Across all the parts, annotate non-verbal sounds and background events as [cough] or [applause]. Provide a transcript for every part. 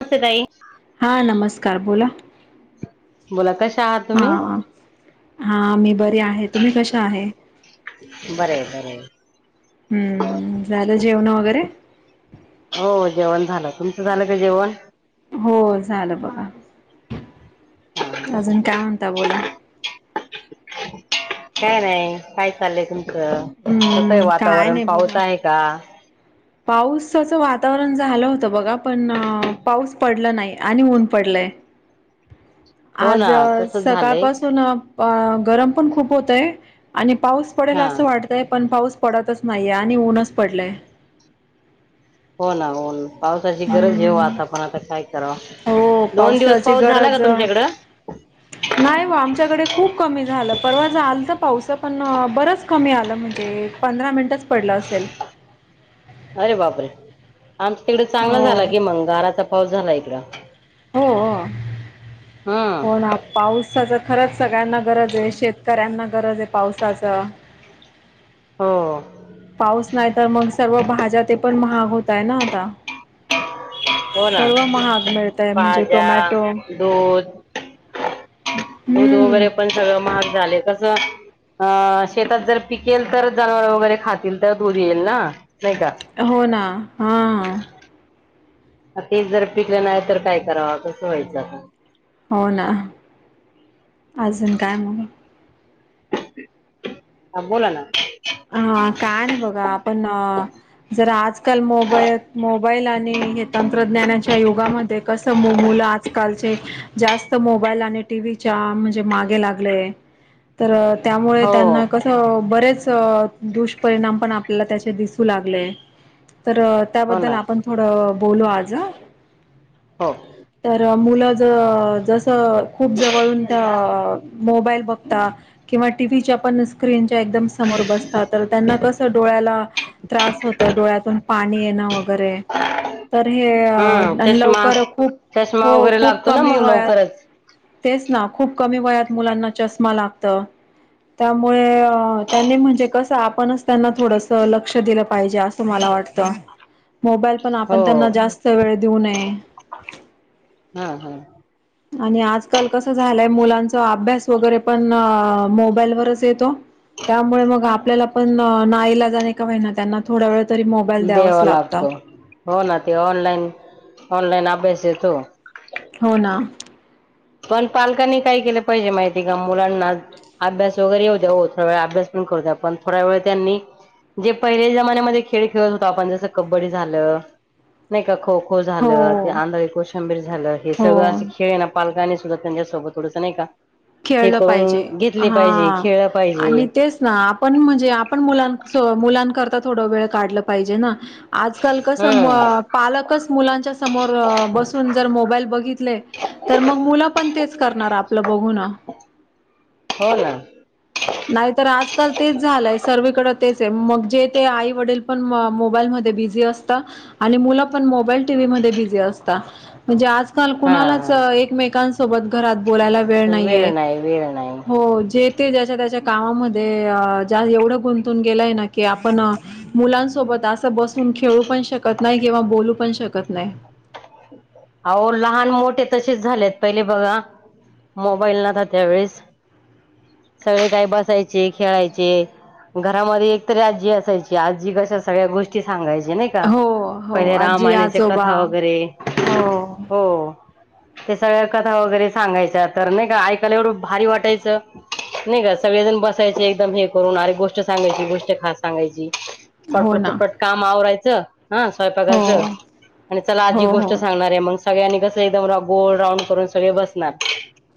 [unintelligible] ताई काय बोला बोला कश हा हा मी बरी आहे तुम्ही कशा आहे? बरे बरे. हम्म झालं जेवण वगैरे हो जेवण झालं तुमचं झालं का जेवण हो झालं बघा. अजून काय म्हणता बोला काय नाही काय चाललंय तुमचं कसं आहे हम्म काय वातावरण नाही पाऊस बघा. आहे का? पाऊसाचं वातावरण झालं होतं बघा पण अ पाऊस पडला नाही आणि ऊन पडलंय. हो आज ना तसच झालंय. सकाळपासून अ गरम पण खूप होतय आणि पाऊस पडेल हा असं वाटतंय पण पाऊस पडतच नाहीये आणि ऊनच पडलंय. हो ना हो ना पावसाची गरज आहे ओ हम्म आता पण आता काय करावा. हो दोन दिवस पावसाची पाऊस झाला का गरज अ, तुमच्याकडं? नाही व आमच्याकडे खूप कमी झालं परवा झ आलत पाऊस पण बरंच कमी आलं म्हणजे पंधरा मिनिटच पडलं असेल. अरे बापरे आमच्या इकडे चांगला हो झाला की मंग गाराचा पाऊस झाला इकड. हो हो हम्म. हो ना पाऊसाचा खरंच सगळ्यांना गरज ये शेतकऱ्यांना गरज ये पावसाचा हो पाऊस नाही तर मग सर्व भाज्या ते पण महाग होतय ना आता हो ना सर्व महाग मिळतय म्हणजे भाज्या, टोमॅटो दूध दूध हम्म वगैरे पण सगळं महाग झाले तसं अ शेतात जर पिकेल तर जनावर वगैरे खातील तर दूध येईल ना. नाही का हो ना हा. ते जर पिकलं नाही तर काय करावं कसं व्हायचं आता. हो ना अजून कायं मगं? हा बोला ना. हा काय नाही बघा आपण जरा आज आजकाल मोबाईल मोबाईल आणि हे तंत्रज्ञानाच्या युगामध्ये कसं मु मुलं आजकालचे जास्त मोबाईल आणि टीव्हीच्या म्हणजे मागे लागलेय तरं त्यामुळे हो त्यांना कसं बरेचं दुष्परिणाम पण आपल्याला त्याचे दिसू लागले. तर हो त्याबद्दल ना आपण थोडं बोलू आज हो तर मूल ज जसं खूप जवळून त्या मोबाईल बघतात किंवा टीव्हीच्या पण स्क्रीनच्या एकदम समोर बसत तर त्यांना कस डोळ्याला त्रास होत डोळ्यातून पाणी येणं वगैरे तर हम्म हे चष्मा लवकर खूप चष्मा हो वगैरे खूप लागतो ना कमी मग वयात लवकरच तेच ना खूप कमी वयात मुलांना चष्मा लागतं त्यामुळे अ त्यांनी म्हणजे कस आपणच त्यांना थोडस लक्ष दिलं पाहिजे असं मला वाटतं. मोबाईल पण आपण हो त्यांना जास्त वेळ देऊ नये. हा हा आणि आजकाल कसं झालंय मुलांचा अभ्यास वगैरे पण मोबाईलवरच येतो. त्यामुळे मग आपल्याला पण नाईलाजाने का होईना त्यांना थोड्या वेळ तरी मोबाईल द्यावाच द्यावा लागतं. लागतो हो ना ते ऑनलाईन, ऑनलाईन अभ्यास येतो. हो ना. पण पालकांनी काय केले पाहिजे माहिती का मुलांना अभ्यास वगैरे येऊ द्याऊ थोड अभ्यास [inaudible] जे पहिले जमान्यामध्ये खेळ खेळत होतो आपण जसं कबड्डी झालं नाही का खो- खो खो-खो हो झालं ते आंधळी कोशिमबीर झालं हे हो सगळं असं खेळ ये ना आणि सुद्धा त्यांच्यासोबत थोडचं नाही का हे खेळलं पाहिजे करून घेतले हा पाहिजे खेळलं पाहिजे आणि तेच ना आपण म्हणजे आपण मुलां मुलांकरता थोडं वेळ काढलं पाहिजे ना. आजकाल कसं हम्म पालकच मुलांच्या समोर बसून जर मोबाईल बघितले तर मग मुलं पण तेच करणार आपलं बघून. हो ना. नाही तर आजकाल तेच झालंय सर्वकडे तेच आहे मग जे ते आई वडील पण मोबाईल मध्ये मध्ये बिझी असतात आणि मूल पण मोबाईल, टीव्ही मध्ये बिझी असतात चल हा कुणालाच हा एकमेकांसोबत घरात बोलायला वेळ नाहीेये, नाही वेळ नाही हो जे ते ज्याच्या त्याच्या कामामध्ये ज एवढं गुंतून गेलाय ना की आपण मुलांसोबत असं बसून खेळू पणं शकतं नाही किंवा बोलू पणं शकत [unintelligible] नाही. अहो लहान मोठे तसेच झालेत पहिले बघा. मोबाईल नव्हता त्यावेेळेस सगळे काही बसायचे, खेळायचे. घरामध्ये एकतरी आजी असायची आजी कशा सगळ्या गोष्टी सांगायच्या. नाही का हो हो पहिले आजी रामायणाच्या आजोबा कथा वगैरे हो हो. ते सगळ्या कथा वगैरे सांगायच्या तर नाही का ऐकायला एवढं भारी वाटायचं. नाही का सगळेजण बसायचे एकदम हे करून अरे गोष्ट सांगायची गोष्ट खास सांगायची. पट -पट हो ना पट-पट काम आवरायचं. हा हो स्वयंपाकाचं आणि चला आजी हो गोष्ट हो सांगणारं. सगळ्यांनी कस एकदम गोल राऊंड करून सगळे बसणार.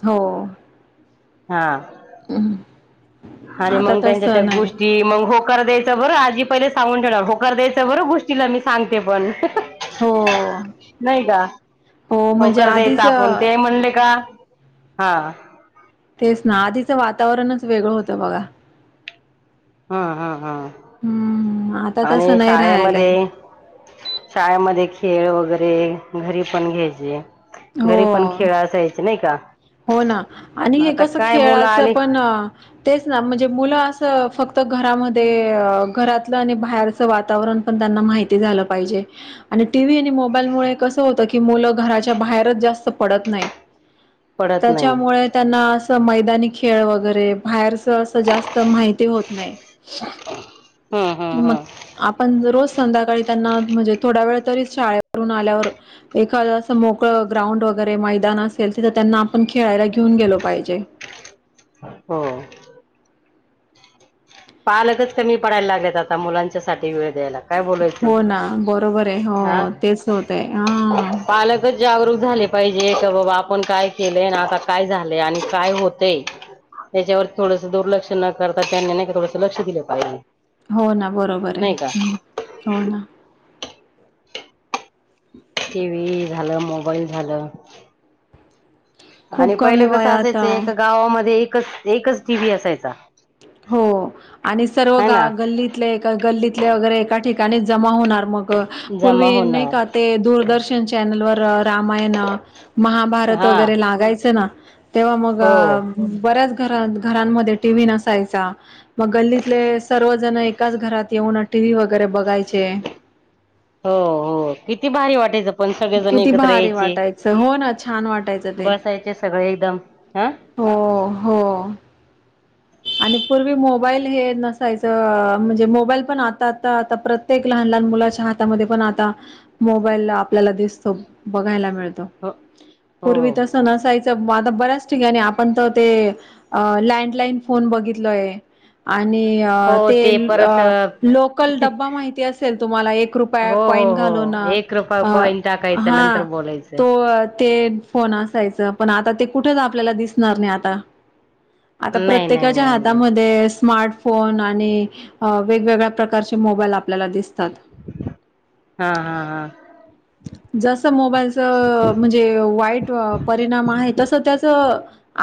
हो हा आणि आता मग तर त्यांच्या त्या सण आहे गोष्टी मग होकार द्यायचं बरं आजी पहिले सांगून ठेवणार होकर द्यायचं बरं गोष्टीला मी सांगते पण. हो. हो म्हणजे होकर द्यायचा आधीच आपण ते म्हणले का? हा. तेच ना आधीचं वातावरणच वेगळं होतं बघा. ह ह ह. हम्म आता आणि तसं नाही राहिलय शाळेमध्ये शाळेमध्ये खेळ व गरे घरी पण घ्यायचे, हो घरी पण खेळा असायचे नाही का? हो ना, आणि हे आता कस काय मुलं खेळाचं आली पण तेच ना म्हणजे मुल लांना फक्त घरामध्ये घरातलं आणि बाहेरच वातावरण पण त्यांना माहिती झालं पा हिजे आणि टीव्ही आणि मोबाईलमुळ कसं होतं की, मुलं घराच्या बाहेरच जास्त पडत नाहीत. पडत नाही त्याच्यामुळे त्यांना अस मैदानी खेळ वगैरे बाहेर च अस जास्त माहिती होत नाही. हम्म हम्म मग हम्म आपण रोज संध्याकाळी त्यांना म्हणजे थोडा वेळ तरी शाळेवरून आल्यावर एखादं असं मोकळं ग्राउंड वगैरे मैदान असेल. तिथं त्यांना आपण खेळायला घेऊन गेलो पाहिजे. हो. पालकच कमी पडायला लागलेत आता मुलांच्यासाठी वेळ द्यायला. काय हो बोलायचंय ना बरोबरे हो हा तेच होतय हं. पालकच जागरूक झाले पाहिजे का बाबा आपण काय केलंय आता काय झालंय आणि काय होतेय? त्याच्यावर थोडंस दुर्लक्ष न करता त्यांनी नाही का थोडसं लक्ष दिलं पाहिजे. हो ना बरोबरे. नाही का हो ना. टी. व्ही झालं मोबाईल झालं आणि खूप कमी पहिलं कस वयात असायचं अ एका गावामध्ये एकच एकच टी. व्ही असायचा. हो आणि सर्व है गा ना गल्लीतले एका गल्लीत तल्या वगैरे एका ठिकाणी जमा होणार, मग जमा पूर्वी नाही का होणार ते दूरदर्शन चॅनेल वर रामायण, महाभारत हा वगैरे लागायचं ना तेव्हा मग हो बऱ्याच घर घरांमध्ये टी व्ही नसायचा. मग गल्लीतले सर्व जण एकाच घरात येऊन टी व्ही व गैरे बघायचे. हो हो किती भारी वाटायचं पण सगळेजण किती एकत्र भारी यायचे वाटायचं? ! हो ना, छान वाटायचं ते. बसायचे सगळे एकदम हा हो हो. आणि पूर्वी मोबाईल हे नसायचं म्हणजे मोबाईल पण आता आता प्रत्येक लहान लहान लहान मुलाच्या हातामध्ये पण आता मोबाईल आपल्याला दिसतो, बघायला मिळ तो हो पूर्वी हो तस नसायचं. म आता बऱ्याच ठिकाणी आपण तर ते लँडलाइन फोन बघितलंय, आणि आणि हो ते परत लोकल डबा माहिती असेल तुम्हाला एक रुपया हो हो कॉइन घालून हो एक रुपया अ कॉइन टाकायचं नंतर हा बोलायचं तो ते फोन असायचं पण आता ते कुठेच आपल्याला दिसणार नाही आता. आता नाही नाही प्रत्येकाच्या नाही नाही हातामध्ये स्मार्ट फोन आणि वेगवेगळ्या प्रकारचे मोबाईल आपल्याला दिसते. हा हा हा. जस मोबाईलच म्हणजे वाईट परिणाम आहे तसं त्याच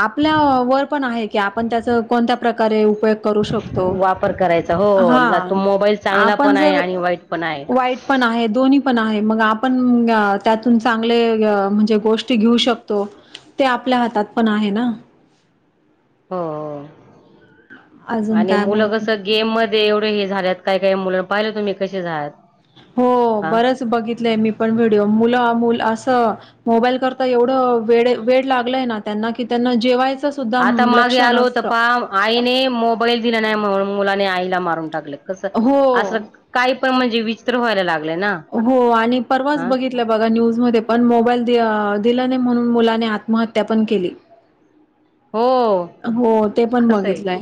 आपल्या वर पण आहे की, त्याचा कोणत्या प्रकारे. उपयोग करू शकतो वापर करायचा हो हा ला तो मोबाईल चांगला आपण पण आहे जर आणि वाईट पण आहे वाईट पण आहे दोन्ही पण आहे मग आपण त्यातून चांगले अं‌ म्हणजे गोष्टी घेऊ शकतो ते आपल्या हातात त पण आहे ना. हो हो अजून आणि काय मुलं बोलते? कसं गेम मध् ते एवढं हे झाल्यात काय काय मुलं पाहिलं तुम्ही कसे झाल्यात हो हा बरंच बघितलंय मी पण व्हिडिओ मुलं अ मुलास त मोबाईल करता एवढं वेडे वेड लागलय ना त्यांना की त्यांना जेवायचं सुद्धा आता मागे लक्ष आलो त नसतं. पाहा आईने मोबाईल दिल नाइ म्हणून मुलाने आईला मारून टाकलं कसं हो. असं काही पण म्हणजे विचित्र व्हायला लाग हो आणि परवाचं बघितल्या बघा न्यूज मध्ये पण मोबाइल दिलं नाही म्हणून मुलाने आत्महत्या पण केली. हो हो ते पण कसं आहे बघितलंय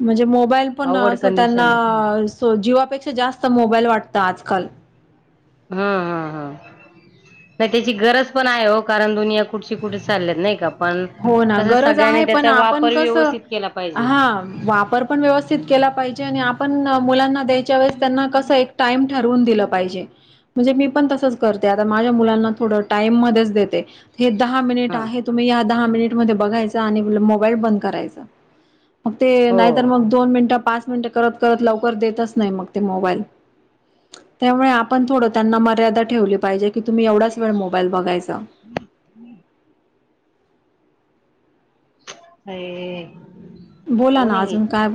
म्हणजे मो मोबाईल पण अवघड असं कंडिशन आहे त्यांना जीवापेक्षा जास्त मोबाईल वाटत आजकाल हम् हम् हम्म. नाइ तेची गरज पण हाय हो कारण दुनिया कुठची कुठे चालल्यात नाइ पण हो ना कसं गरज सगळ्यांनी आहे पण तेचा आपण वापर कसं व्यवस्थित केला पाहिजे हा वापर पण व्यवस्थित केला पाहिजे आणि आपण मुलांना द्यायच्या वेळेस त्यांना कसंय एक टाइम ठरवून दिलं पाहिजे म्हणजे मी पण तसचं करते, आता माझ्या मुलांना थोड टाईम मध्येच देते. हे दहा मिनिट हा आहे तुम्ही या दहा मिनिट मध्ये बघायचं आणि म्हणलं मोबाईल बंद करायचा. मग ते नाइ तर हो मग दोन मिनिटं पाच मिनिटं करत करत लवकर देतचं नाइ मग ते मोबाईल त्यामुळे आपण थोडं त्यांना मर्यादा ठेवली पाहिजे, की तुम्ही एवढाचं वेळ मोबाईल बघाय [inaudible] आए बोला ना अजून काय बोल